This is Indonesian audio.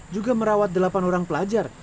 juga merawat delapan orang pelajar